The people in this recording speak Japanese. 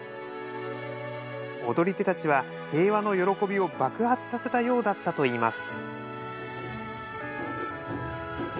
踊り手たちは平和の喜びを爆発させたようだったといいます。